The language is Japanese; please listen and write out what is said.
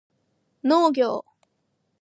農業